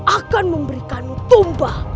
akan memberikanmu tumbal